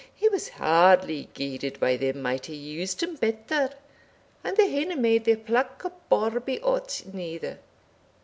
he was hardly guided by them might hae used him better and they haena made their plack a bawbee o't neither.